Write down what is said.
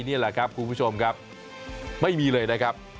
นี่แหละครับคุณผู้ชมครับไม่มีเลยนะครับ